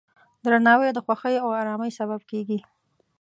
درناوی د خوښۍ او ارامۍ سبب کېږي.